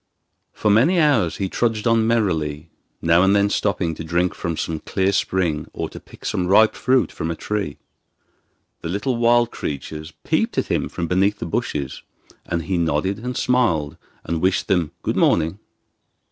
For many hours he trudged on merrily, now and then stopping to drink from some clear spring or to pick some ripe fruit from a tree. The little wild creatures peeped at him from beneath the bushes, and he nodded and smiled, and wished them 'Good morning.